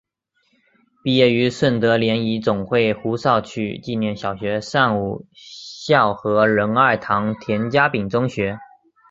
毕业于顺德联谊总会胡少渠纪念小学上午校和仁爱堂田家炳中学。